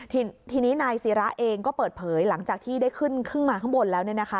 ทีนี้นายศิราเองก็เปิดเผยหลังจากที่ได้ขึ้นขึ้นมาข้างบนแล้ว